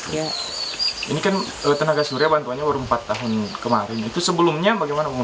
ya ini kan tenaga surya bantuannya baru empat tahun kemarin itu sebelumnya bagaimana